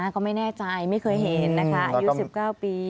ก็ไม่แน่ใจไม่เคยเห็นนะคะอายุ๑๙ปี